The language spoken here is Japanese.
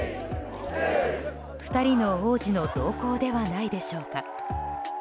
２人の王子の動向ではないでしょうか。